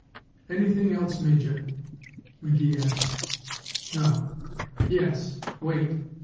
"Anything else, Major?" McGee asked. "No ... Yes, wait!"